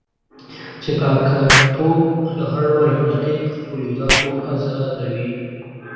چې کاکه توب له هر ډول اخلاقي قیوداتو آزادوي.